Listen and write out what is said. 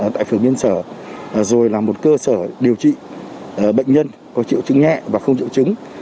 tại phường biên sở rồi là một cơ sở điều trị bệnh nhân có triệu chứng nhẹ và không triệu chứng